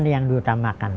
pendidikan yang diutamakan